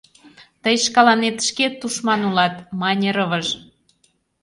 — Тый шкаланет шке тушман улат, — мане рывыж.